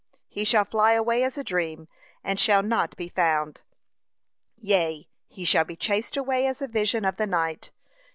He shall fly away as a dream, and shall not be found; yea, he shall be chased away as a vision of the night.'